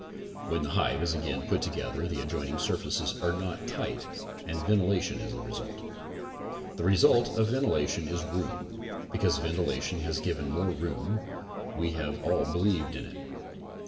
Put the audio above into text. When the hive is again put together the adjoin ing surfaces are not tight and ventilation is the result. The result of ventilation is room. Because ventilation has given more room we have all believed in it.